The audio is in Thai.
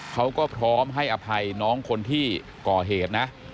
เขาก็พร้อมให้อภัยน้องคนที่ก่อเหตุนะ